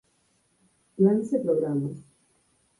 Plans e programas.